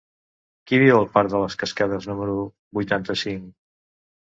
Qui viu al parc de les Cascades número vuitanta-cinc?